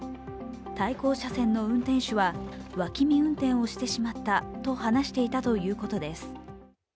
対向車線の運転手は脇見運転をしてしまったと話していたということです。